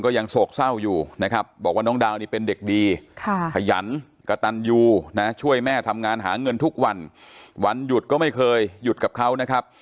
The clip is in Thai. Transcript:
ขยันกระตันยูนะช่วยแม่ทำงานหาเงินทุกวันวันหยุดก็ไม่เคยหยุดกับเขานะครับ